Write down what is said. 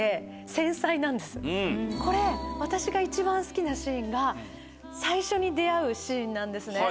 これ私が一番好きなシーンが最初に出会うシーンなんですね。